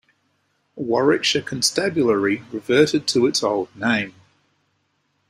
Warwickshire Constabulary reverted to its old name.